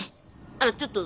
あらちょっと！